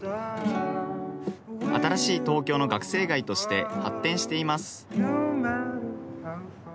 新しい東京の学生街として発展しています。